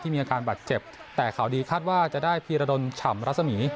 มีอาการบาดเจ็บแต่ข่าวดีคาดว่าจะได้พีรดลฉ่ำรัศมี